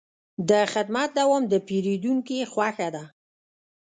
د خدمت دوام د پیرودونکي خوښي ده.